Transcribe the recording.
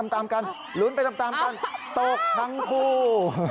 ตกทั้งคู่